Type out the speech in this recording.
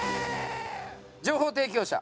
情報提供者